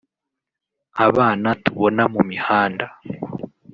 Abana tubona mu mihanda